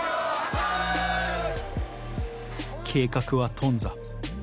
計画は頓挫。